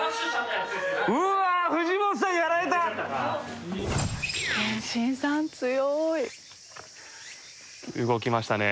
うわっ藤本さんやられた。